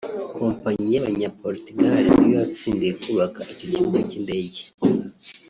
Kompanyi y’Abanya-Portugal ni yo yatsindiye kubaka icyo kibuga cy’indege